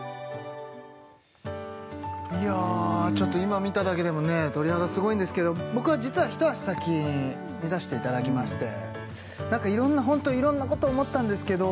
いやちょっと今見ただけでも鳥肌すごいんですけど僕は実は一足先に見させていただきましてホント色んなこと思ったんですけど